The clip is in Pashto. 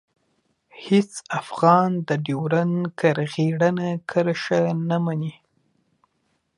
هېڅ افغان د ډیورنډ کرغېړنه کرښه نه مني.